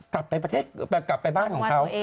กลับไปประเทศกลับไปบ้านของเขา